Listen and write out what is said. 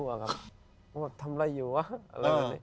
ว่าทำไรอยู่วะ